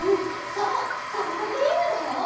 そうソフトクリームだよ！